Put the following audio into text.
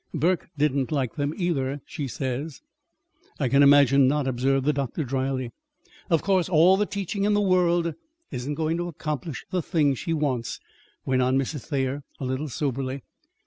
Burke didn't like them either, she says." "I can imagine not," observed the doctor dryly. "Of course all the teaching in the world isn't going to accomplish the thing she wants," went on Mrs. Thayer, a little soberly.